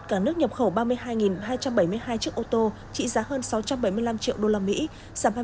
cả nước nhập khẩu ba mươi hai hai trăm bảy mươi hai chiếc ô tô trị giá hơn sáu trăm bảy mươi năm triệu usd giảm hai